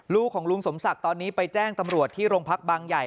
ลุงของลุงสมศักดิ์ตอนนี้ไปแจ้งตำรวจที่โรงพักบางใหญ่